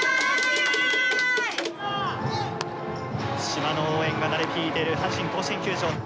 「島の応援が鳴り響いている阪神甲子園球場。